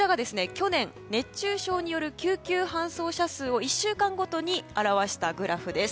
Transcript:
去年、熱中症による救急搬送者数を１週間ごとに表したグラフです。